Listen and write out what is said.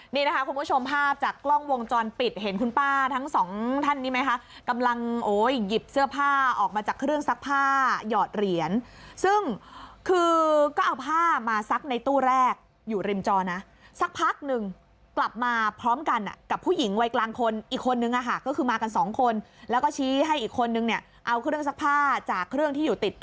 นี่นะคะคุณผู้ชมภาพจากกล้องวงจรปิดเห็นคุณป้าทั้งสองท่านนี้ไหมคะกำลังโอ้ยหยิบเสื้อผ้าออกมาจากเครื่องซักผ้าหยอดเหรียญซึ่งคือก็เอาผ้ามาซักในตู้แรกอยู่ริมจอนะสักพักหนึ่งกลับมาพร้อมกันกับผู้หญิงวัยกลางคนอีกคนนึงอ่ะค่ะก็คือมากันสองคนแล้วก็ชี้ให้อีกคนนึงเนี่ยเอาเครื่องซักผ้าจากเครื่องที่อยู่ติด